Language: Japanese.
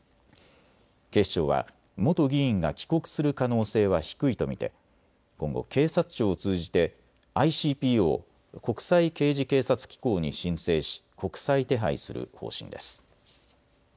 警視庁は元議員が帰国する可能性は低いと見て今後、警察庁を通じてＩＣＰＯ・国際刑事警察機構に申請し国際手配する方針です。